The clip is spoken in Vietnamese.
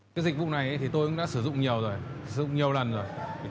cái dịch vụ này thì tôi cũng đã sử dụng nhiều rồi sử dụng nhiều lần rồi